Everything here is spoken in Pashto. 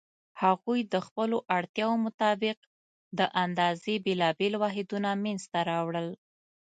هغوی د خپلو اړتیاوو مطابق د اندازې بېلابېل واحدونه منځته راوړل.